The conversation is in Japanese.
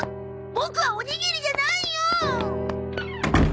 ボクはおにぎりじゃないよ！